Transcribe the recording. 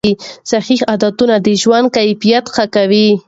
صحي عادتونه د ژوند کیفیت ښه کوي.